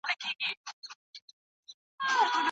د ښځو د کار کولو حق ته پاملرنه غوښتل کیږي.